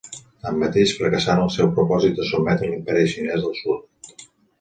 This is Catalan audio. Tanmateix, fracassà en el seu propòsit de sotmetre a l'imperi xinès del sud.